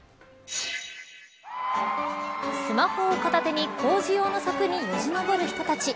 スマホを片手に工事用の柵によじ登る人たち。